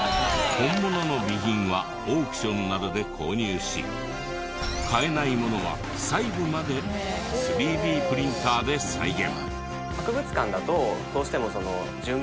本物の備品はオークションなどで購入し買えないものは細部まで３Ｄプリンターで再現。